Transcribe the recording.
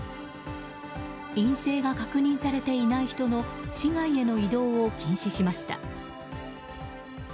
陰性が確認されていない人の市外への移動を禁止しました。